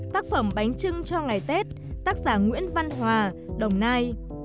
tác phẩm bánh trưng cho ngày tết tác giả nguyễn văn hòa đồng nai